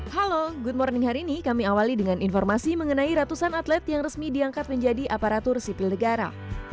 halo good morning hari ini kami awali dengan informasi mengenai ratusan atlet yang resmi diangkat menjadi aparatur sipil negara